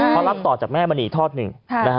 เพราะรับต่อจากแม่บรรีทอดหนึ่ง